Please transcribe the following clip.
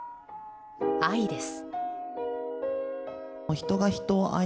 愛です。